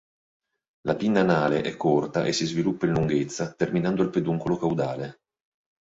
La pinna anale è corta e si sviluppa in lunghezza, terminando al peduncolo caudale.